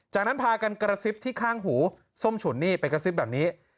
จากนั้นพากันกระซิบที่ข้างหูส้มฉุนนี่ไปกระซิบแบบนี้